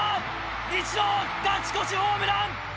イチロー、勝ち越しホームラン！